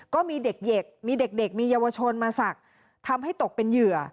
ก็มีเด็กมีเด็กมีเยาวชนมาศักดิ์ทำให้ตกเป็นเหยื่อ